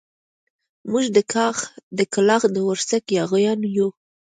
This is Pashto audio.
موږ د کلاخ د ورسک ياغيان يو.